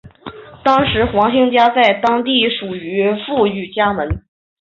当时的黄兴家在当地属于富裕家门。